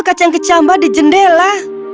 itu kacang kecambar di jendela